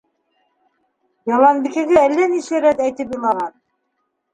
Яланбикәгә әллә нисә рәт әйтеп илаған.